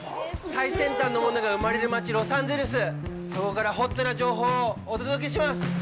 最先端のものが生まれる街・ロサンゼルス、そこからホットな情報をお届けします。